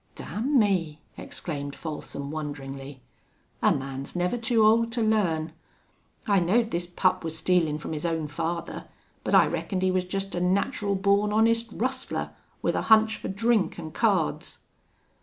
"Damn me!" exclaimed Folsom, wonderingly. "A man's never too old to learn! I knowed this pup was stealin' from his own father, but I reckoned he was jest a natural born, honest rustler, with a hunch fer drink an' cards."